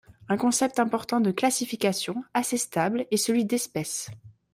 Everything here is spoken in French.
Un concept important de classification, assez stable, est celui d'espèce.